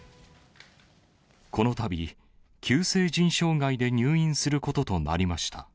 このたび、急性腎障害で入院することとなりました。